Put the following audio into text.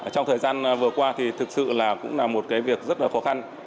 trong thời gian vừa qua thì thực sự là cũng là một cái việc rất là khó khăn